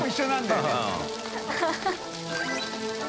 ハハハ